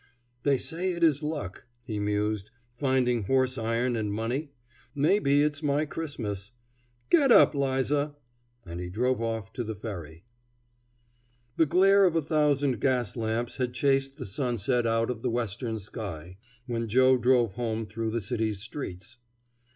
"They say it is luck," he mused, "finding horse iron and money. Maybe it's my Christmas. Get up, 'Liza!" And he drove off to the ferry. The glare of a thousand gas lamps had chased the sunset out of the western sky, when Joe drove home through the city's streets.